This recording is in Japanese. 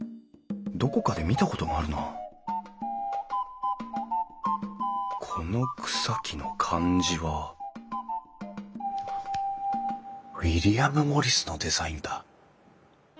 どこかで見たことがあるなこの草木の感じはウィリアム・モリスのデザインだ。